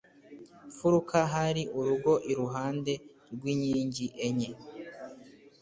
Mfuruka hari urugo iruhande rw inkingi enye